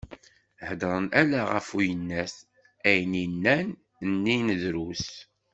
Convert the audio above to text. Hedren ala γef uyennat, ayen i nnan inin drus.